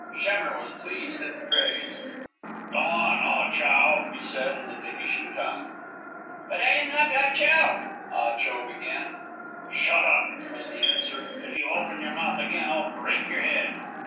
Schemmer was pleased at the praise. "Come on, Ah Chow," he said, in the Tahitian tongue. "But I am not Ah Chow " Ah Cho began. "Shut up!" was the answer. "If you open your mouth again, I'll break your head."